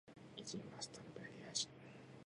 いちごはストベリー味